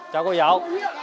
chào cô giáo